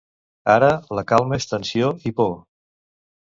Ara, la calma és tensió i por.